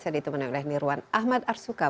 saya ditemani oleh nirwan ahmad arsuka